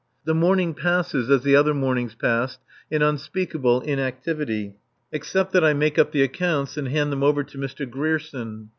The morning passes, as the other mornings passed, in unspeakable inactivity. Except that I make up the accounts and hand them over to Mr. Grierson.